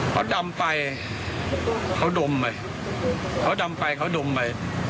เขาดำไปเขาดมไปเขาดำไปเขาดมไป